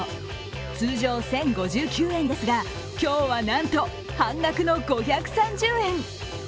通常１０５９円ですが今日はなんと半額の５３０円。